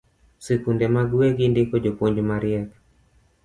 Sikunde mag wegi ndiko jopuonj mariek